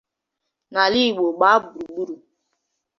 N'ala Igbo gbaa gburugburu